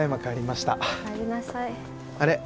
あれ？